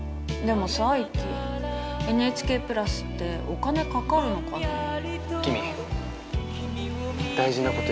でもさイッキＮＨＫプラスってお金かかるのかな。